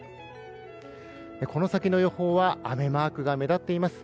この先の予報は雨マークが目立っています。